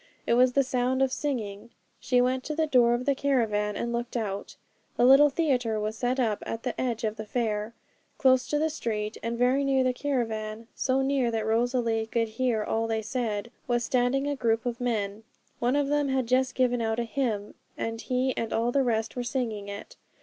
It was the sound of singing. She went to the door of the caravan and looked out. The little theatre was set up at the edge of the fair. Close to the street, and very near the caravan, so near that Rosalie could hear all they said, was standing a group of men. One of them had just given out a hymn, and he and all the rest were singing it.